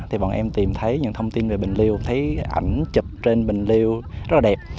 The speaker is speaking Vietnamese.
thì bọn em tìm thấy những thông tin về bình liêu thấy ảnh chụp trên bình liêu rất là đẹp